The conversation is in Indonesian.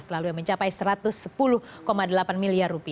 lalu yang mencapai rp satu ratus sepuluh delapan miliar